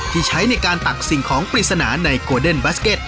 ที่ใช้ในการตักสิ่งของปริศนาในโกเดนบาสเก็ต